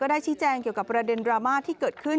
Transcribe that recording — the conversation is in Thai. ได้ชี้แจงเกี่ยวกับประเด็นดราม่าที่เกิดขึ้น